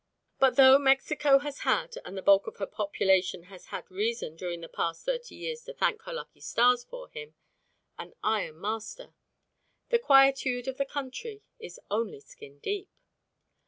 But though Mexico has had and the bulk of her population has had reason during the past thirty years to thank her lucky stars for him an "Iron Master," the quietude of the country is only skin deep.